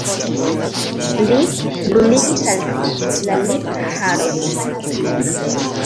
Li bruligis al si la lipharojn.